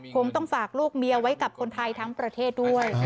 คงต้องฝากลูกเมียไว้กับคนไทยทั้งประเทศด้วย